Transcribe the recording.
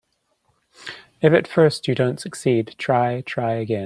If at first you don't succeed, try, try again.